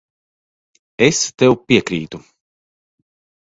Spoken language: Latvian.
Es tev piekrītu.